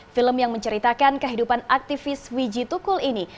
film yang menceritakan kehidupan aktivis wijitukul ini